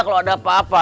kalau ada apa apa